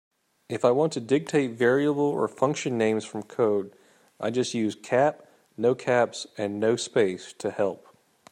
If I want to dictate variable or function names from code, I just use "cap", "no caps", and "no space" to help.